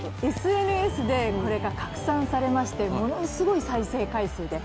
ＳＮＳでこれが拡散されましてものすごい再生回数で。